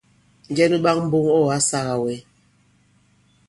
Njɛ nu ɓak mboŋ ɔ̂ ǎ sāgā wɛ?